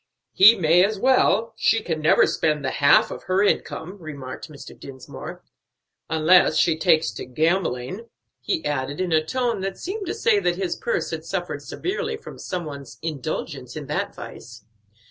"He may as well; she can never spend the half of her income," remarked Mr. Dinsmore. "Unless she takes to gambling," he added, in a tone that seemed to say that his purse had suffered severely from some one's indulgence in that vice.